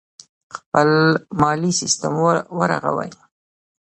خپل مالي سیستم ورغوي.